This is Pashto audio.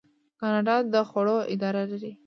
کاناډا د خوړو اداره لري.